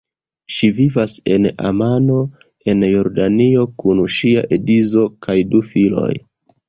Ŝi vivas en Amano, en Jordanio, kun ŝia edzo kaj du filoj.